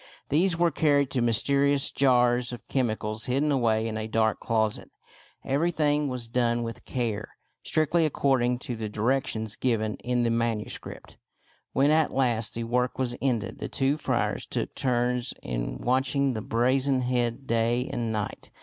These were carried to mysterious jars of chemicals hidden away in a dark closet. Every thing was done with care, strictly according to the directions given in the manuscript. When at last the work was ended, the two friars took turns in watching the brazen head day and night.